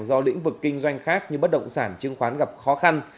do lĩnh vực kinh doanh khác như bất động sản chương khoán gặp khó khăn